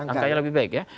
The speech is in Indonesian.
angkanya lebih baik ya